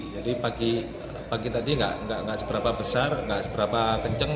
jadi pagi tadi enggak seberapa besar enggak seberapa kenceng